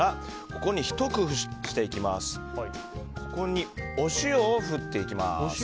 ここにお塩を振っていきます。